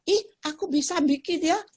ih aku bisa bikin ya